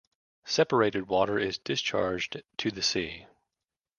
Separated water is discharged to the sea.